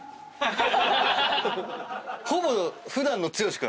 ほぼ普段の剛君。